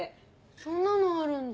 そんなのあるんだ。